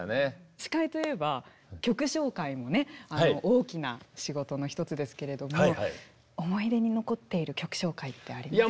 司会といえば曲紹介も大きな仕事の１つですけれども思い出に残っている曲紹介ってありますか？